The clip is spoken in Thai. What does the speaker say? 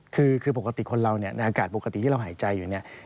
คือปกติคนเราในอากาศปกติที่เราหายใจอยู่